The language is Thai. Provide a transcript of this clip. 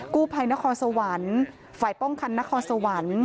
กู้ภัยนครสวรรค์ฝ่ายป้องกันนครสวรรค์